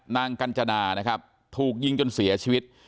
กัญจนานะครับถูกยิงจนเสียชีวิต